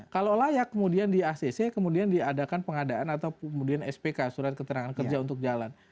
kalau layak kemudian di acc kemudian diadakan pengadaan atau kemudian spk surat keterangan kerja untuk jalan